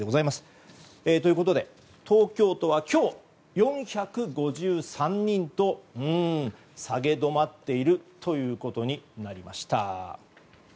ということで東京都は今日４５３人と下げ止まっていることになりました。